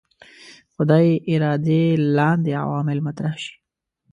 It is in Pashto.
خدای ارادې لاندې عوامل مطرح شي.